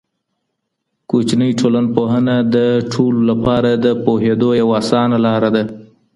کوچنۍ ټولنپوهنه د ټولو لپاره د پوهیدو یو آسانه لاره ده.